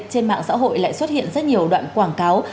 trên mạng xã hội lại xuất hiện rất nhiều đoạn quảng cáo